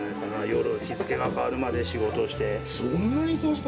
夜、日付が変わるまで仕事して。